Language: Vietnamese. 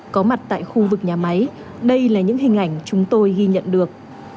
có mặt tại khu vực nhà máy đây là những hình ảnh chúng tôi ghi nhận được